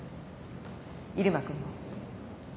入間君も。